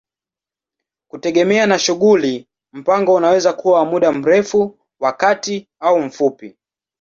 Kutegemea na shughuli, mpango unaweza kuwa wa muda mrefu, wa kati au mfupi.